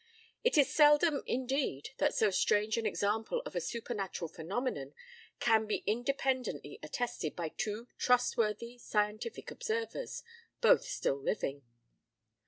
It is seldom, indeed, that so strange an example of a supernatural phenomenon can be independently attested by two trustworthy scientific observers, both still living.